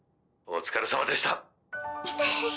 お疲れさまでした。